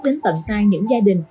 đến tận hai những gia đình